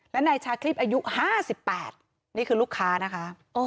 และนายชาคลิปอายุห้าสิบแปดนี่คือลูกค้านะคะ